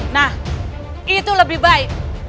nah itu lebih baik